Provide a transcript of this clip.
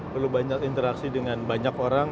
perlu banyak interaksi dengan banyak orang